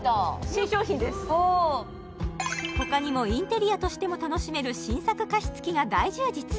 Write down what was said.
新商品ですほかにもインテリアとしても楽しめる新作加湿器が大充実